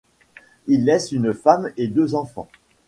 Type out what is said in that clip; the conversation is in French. Il laisse une femme et deux enfants.